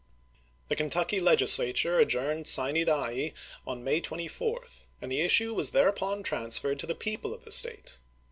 The Kentucky Legis 1861. lature adjourned sine die on May 24, and the issue was thereupon transferred to the people of the State.